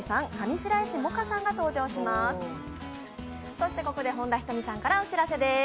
そしてここで本田仁美さんからお知らせです。